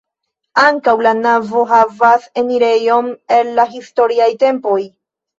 Ankaŭ la navo havas enirejon el la historiaj tempoj.